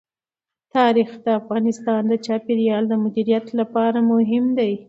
تاریخ د افغانستان د چاپیریال د مدیریت لپاره مهم دي.